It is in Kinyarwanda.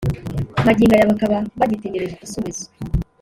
magingo aya bakaba bagitegereje igisubizo